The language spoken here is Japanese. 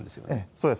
そうです。